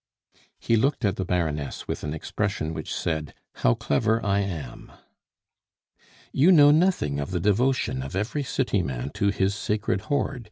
He looked at the Baroness with an expression which said, "How clever I am!" "You know nothing of the devotion of every city man to his sacred hoard!"